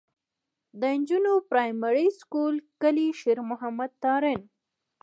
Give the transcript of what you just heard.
د نجونو پرائمري سکول کلي شېر محمد تارڼ.